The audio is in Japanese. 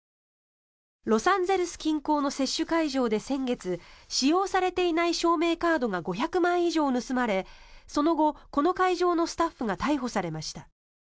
ロサンゼルス近郊の接種会場で先月使用されていない証明カードが５００枚以上盗まれその後、この会場のスタッフが逮捕されました。